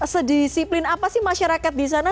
sedisiplin apa sih masyarakat di sana